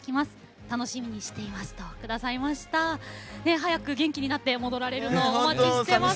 早く元気になって戻られるのをお待ちしております。